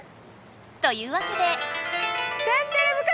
というわけで。